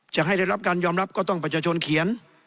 จะให้ได้รับการยอมรับก็ต้องประชาชนเขียน